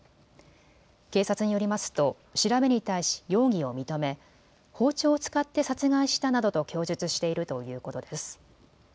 警察によりますと調べに対し容疑を認め、包丁を使って殺害したなどと供述しているということです。